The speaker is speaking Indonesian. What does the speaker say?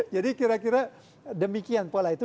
jadi kira kira demikian pola itu